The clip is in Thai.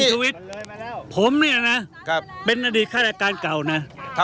ให้อภัยไหม